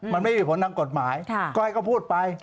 มันไม่มีผลทางกฎหมายก็ให้เขาพูดไป